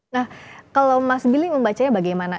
nah kalau mas billy membacanya bagaimana